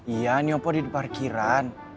iya ini opo di parkiran